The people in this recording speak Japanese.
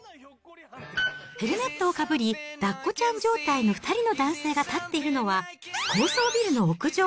ヘルメットをかぶり、ダッコちゃん状態の２人の男性が立っているのは、高層ビルの屋上。